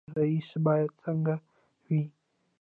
رئیس باید څنګه وي؟